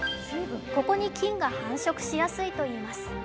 ここに菌が繁殖しやすいといいます。